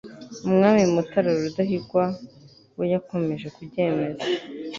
umwami mutara rudahigwa we yakomeje kubyemeza